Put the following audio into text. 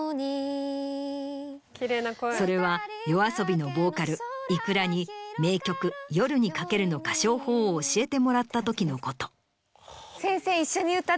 それは ＹＯＡＳＢＩ のボーカル ｉｋｕｒａ に名曲『夜に駆ける』の歌唱法を教えてもらったときのこと。